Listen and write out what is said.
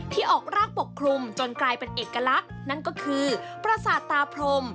ที่ออกรากปกคลุมจนกลายเป็นเอกลักษณ์นั่นก็คือประสาทตาพรม